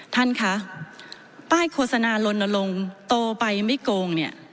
ท่านคะป้ายโฆษณาลนลงโตไปไม่โกงเนี่ย